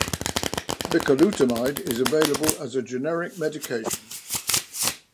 Bicalutamide is available as a generic medication.